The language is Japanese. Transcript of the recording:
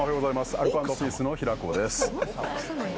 アルコ＆ピースの平子です。